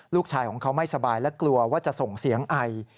ลูกชายของเขาไม่สบายและกลัวว่าจะส่งเสียงไอ